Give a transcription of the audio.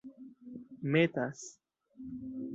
metas